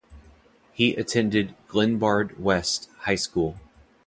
He attended Glenbard West High School.